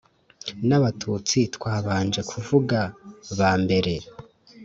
n’abatutsi twabanje kuvuga ba mbere,